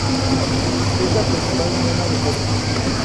Es la principal mena de cobre.